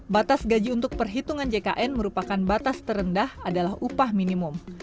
batas gaji untuk perhitungan jkn merupakan batas terendah adalah upah minimum